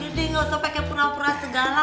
udah deh nggak usah pakai pura pura segala